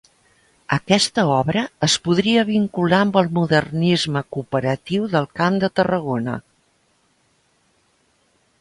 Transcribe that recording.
Aquesta obra es podria vincular amb el modernisme cooperatiu del Camp de Tarragona.